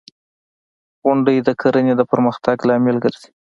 • غونډۍ د کرنې د پرمختګ لامل ګرځي.